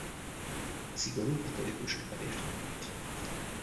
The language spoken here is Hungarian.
Szigorú katolikus nevelést kapott.